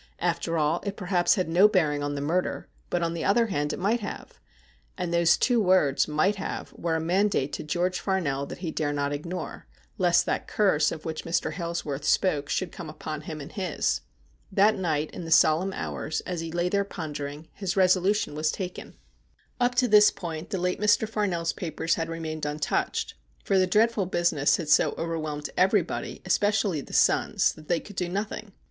After all, it perhaps had no bearing on the murder, but, on the other hand, it might have ; and those two words ' might have ' were a mandate to George Farnell that he dare not ignore, lest that curse of which Mr. Hailsworth spoke should come upon him and his. That night, in the solemn hours, as he lay there pondering, his resolution was taken. Up to this point the late Mr. Farnell's papers had remained untouched, for the dreadful business had so overwhelmed everybody, especially the sons, that they could do nothing.